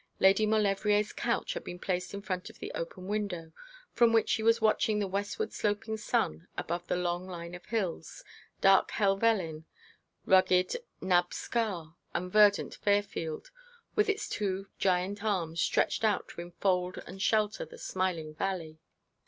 Lady Maulevrier's couch had been placed in front of the open window, from which she was watching the westward sloping sun above the long line of hills, dark Helvellyn, rugged Nabb Scarr, and verdant Fairfield, with its two giant arms stretched out to enfold and shelter the smiling valley.